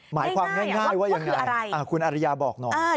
หมายความง่ายว่ายังไงคุณอริยาบอกหน่อย